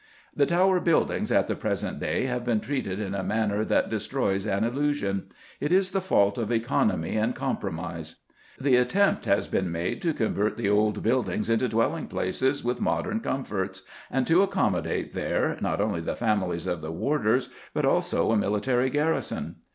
The Tower buildings at the present day have been treated in a manner that destroys all illusion. It is the fault of economy and compromise. The attempt has been made to convert the old buildings into dwelling places with modern comforts, and to accommodate there not only the families of the warders but also a military garrison.